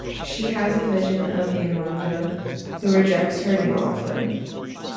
She has a vision of Yemanja, who rejects her new offering.